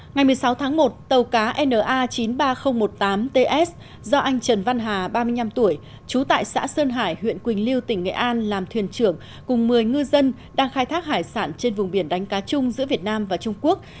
ngày một mươi sáu tháng một tàu cá na chín mươi ba nghìn một mươi tám ts do anh trần văn hà ba mươi năm tuổi trú tại xã sơn hải huyện quỳnh lưu tỉnh nghệ an làm thuyền trưởng cùng một mươi ngư dân đang khai thác hải sản trên vùng biển đánh cá chung giữa việt nam và trung quốc